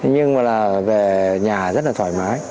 nhưng mà là về nhà rất là thoải mái